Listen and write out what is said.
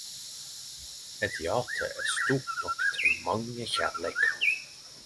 Eit hjarte er stort nok til mange kjærleikar.